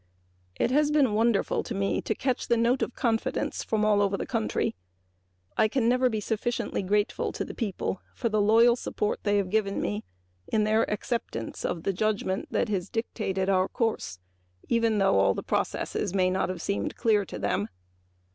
It has been wonderful to me to catch the note of confidence from all over the country. I can never be sufficiently grateful to the people for the loyal support they have given me in their acceptance of the judgment that has dictated our course, even though all our processes may not have seemed clear to them.